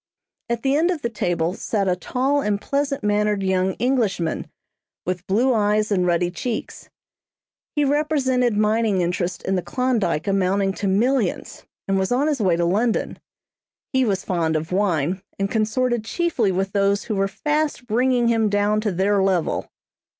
At the end of the table sat a tall and pleasant mannered young Englishman, with blue eyes and ruddy cheeks. He represented mining interests in the Klondyke amounting to millions, and was on his way to London. He was fond of wine, and consorted chiefly with those who were fast bringing him down to their level.